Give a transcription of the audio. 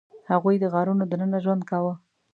هغوی د غارونو دننه ژوند کاوه.